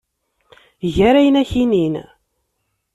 Eg ayen ara ak-inin.